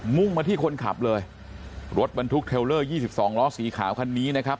่งมาที่คนขับเลยรถบรรทุกเทลเลอร์๒๒ล้อสีขาวคันนี้นะครับ